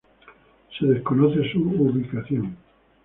Se desconoce su ubicación.